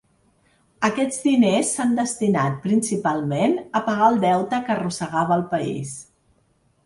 Aquests diners s’han destinat, principalment, a pagar el deute que arrossegava el país.